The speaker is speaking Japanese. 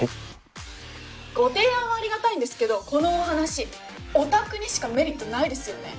ご提案はありがたいんですけどこのお話おたくにしかメリットないですよね？